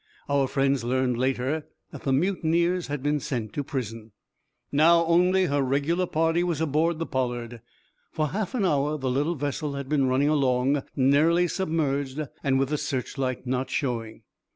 Our friends learned, later, that the mutineers had been sent to prison. Now only her regular party was aboard the "Pollard." For half an hour the little vessel had been running along, nearly submerged, and with the searchlight not showing.